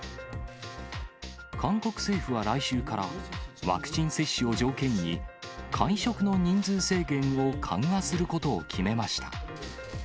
韓国政府は来週から、ワクチン接種を条件に、会食の人数制限を緩和することを決めました。